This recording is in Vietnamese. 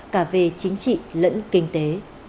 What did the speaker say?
cả về chính trị lẫn kinh tế